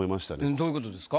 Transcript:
どういうことですか？